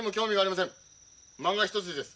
まんが一筋です。